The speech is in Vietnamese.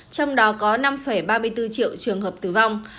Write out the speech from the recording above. trong đó có năm ba mươi bốn triệu trường hợp tử vong